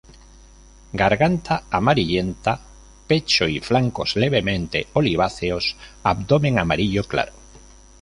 Garganta amarillenta, pecho y flancos levemente oliváceos, abdomen amarillo claro.